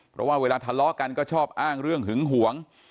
เพราะว่าเวลาทะเลาะกันก็ชอบอ้างเรื่องหึงหวง